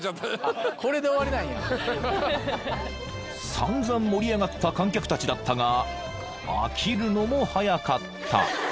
［散々盛り上がった観客たちだったが飽きるのも早かった］